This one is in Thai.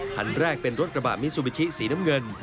คันแรกเป็นรถกระบะมิซูบิชิสีน้ำเงิน